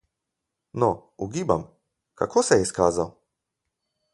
No, ugibam, kako se je izkazal?